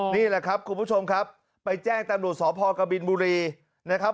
นี่แหละครับคุณผู้ชมครับไปแจ้งตำรวจสพกบินบุรีนะครับ